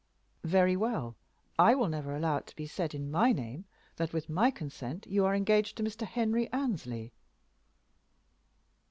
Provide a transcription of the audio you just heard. "Very well, I will never allow it to be said in my name that with my consent you are engaged to Mr. Henry Annesley."